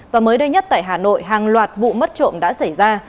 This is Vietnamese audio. và mới đây nhất tại hà nội hàng loạt vụ mất trộm đã xảy ra